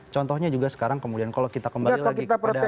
contohnya juga sekarang kemudian kalau kita kembali lagi kepada